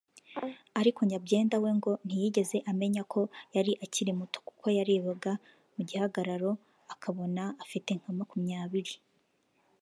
ariko Nyabyenda we ngo ntiyigeze amenya ko yari akiri muto kuko yarebaga mu gihagararo akabona afite nka makumyabiri